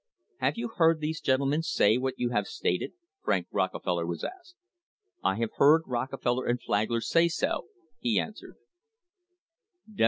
" "Have you heard those gentlemen say what you have stated?" Frank Rockefeller was asked. "I have heard Rockefeller and Flagler say so," he answered.